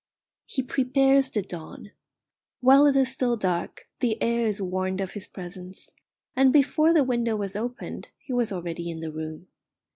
He prepares the dawn. While it is still dark the air is warned of his presence, and before the window was opened he was already in the room.